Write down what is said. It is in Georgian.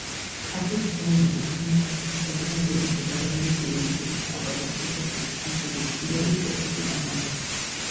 სახვითი ხელოვნების მუშაკთა საზოგადოებისა და რევოლუციური რუსეთის მხატვართა ასოციაციის სომხეთის ფილიალის ერთ-ერთი დამაარსებელი.